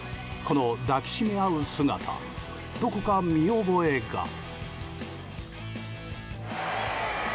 この抱きしめ合う姿どこか、見覚えが。